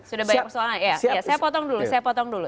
sudah banyak persoalan ya saya potong dulu